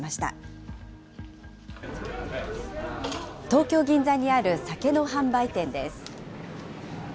東京・銀座にある酒の販売店です。